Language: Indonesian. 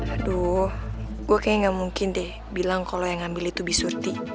aduh gue kayaknya gak mungkin deh bilang kalau yang ngambil itu besurti